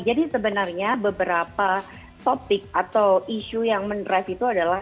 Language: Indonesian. jadi sebenarnya beberapa topik atau isu yang menerai situ adalah